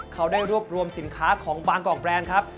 เขาได้รวบรวมสินค้าของบางกอกแบรนด์ครับ